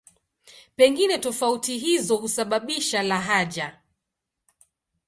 Pengine tofauti hizo husababisha lahaja.